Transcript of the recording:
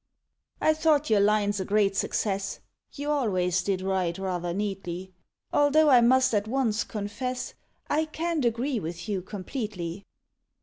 I thought your lines a great success, (You always did write rather neatly) Although I must at once confess I can't agree with you completely.